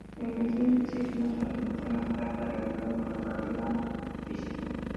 La inversión espacial es una transformación abstracta relacionada con la paridad física.